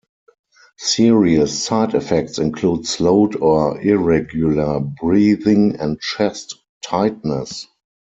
Serious side effects include slowed or irregular breathing and chest tightness.